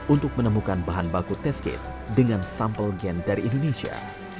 untuk menemukan bahan baku test kit dengan sampel gen dari indonesia